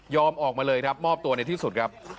ออกมาเลยครับมอบตัวในที่สุดครับ